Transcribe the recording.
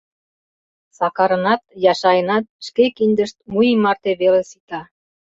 Сакарынат, Яшайынат шке киндышт у ий марте веле сита.